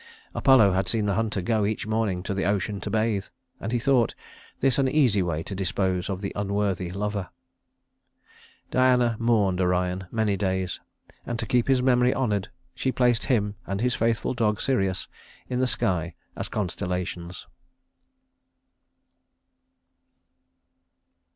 Apollo had seen the hunter go each morning to the ocean to bathe, and he thought this an easy way to dispose of the unworthy lover. Diana mourned Orion many days; and to keep his memory honored she placed him and his faithful dog, Sirius, in the sky as constellations.